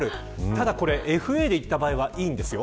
ただＦＡでいった場合はいいんですよ。